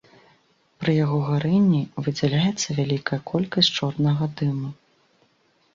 Пры яго гарэнні выдзяляецца вялікая колькасць чорнага дыму.